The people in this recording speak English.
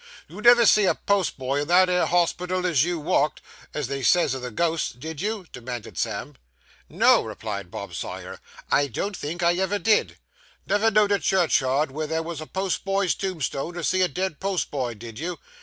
'You never see a postboy in that 'ere hospital as you _walked _(as they says o' the ghosts), did you?' demanded Sam. 'No,' replied Bob Sawyer. 'I don't think I ever did.' 'Never know'd a churchyard were there wos a postboy's tombstone, or see a dead postboy, did you?